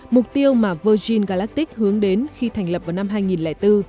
mục tiêu mà virgin galactic hướng đến khi thành lập vào năm hai nghìn bốn